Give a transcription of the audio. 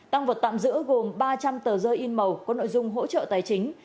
tăng vật tạm giữ gồm ba trăm linh tờ rơi in màu có nội dung hỗ trợ tài chính